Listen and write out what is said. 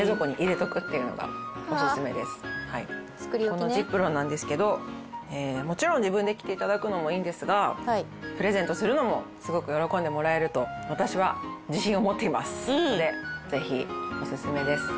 このｚｉｐｒｏｎなんですけどもちろん自分で着て頂くのもいいんですがプレゼントするのもすごく喜んでもらえると私は自信を持っていますのでぜひおすすめです。